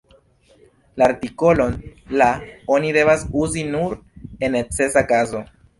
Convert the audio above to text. La artikolon "la" oni devas uzi nur en necesa kazo.